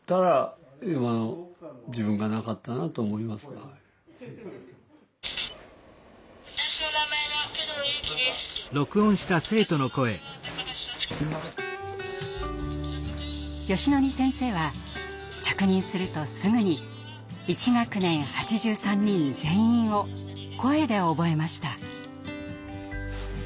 よしのり先生は着任するとすぐに１学年８３人全員を声で覚えました。